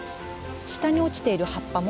下に落ちている葉っぱも。